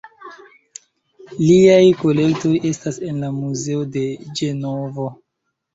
Liaj kolektoj estas en la muzeo de Ĝenovo.